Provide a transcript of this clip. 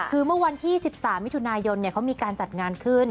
คือเมื่อวันที่๑๓มิถุนายนเขามีการจัดงานขึ้น